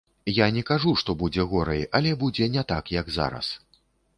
Я не кажу, што будзе горай, але будзе не так, як зараз.